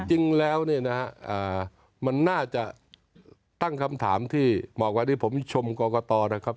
จริงแล้วเนี่ยนะฮะมันน่าจะตั้งคำถามที่บอกว่าที่ผมชมกรกตนะครับ